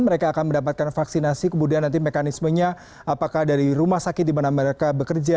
mereka akan mendapatkan vaksinasi kemudian nanti mekanismenya apakah dari rumah sakit di mana mereka bekerja